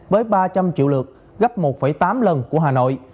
với ba trăm linh triệu lượt gấp một tám lần của hà nội